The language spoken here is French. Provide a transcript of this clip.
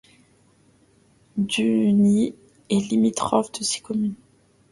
Dugny est limitrophe de six communes.